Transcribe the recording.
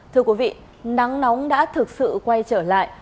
thưa quý vị nắng nóng đã thực sự quay trở lại